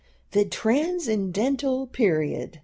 THE TRANSCENDENTAL PERIOD.